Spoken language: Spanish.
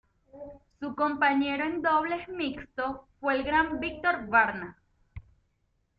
Su compañero en dobles mixtos fue el gran Viktor Barna.